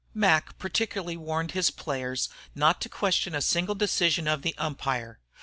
Mac particularly warned his players not to question a single decision of the umpire.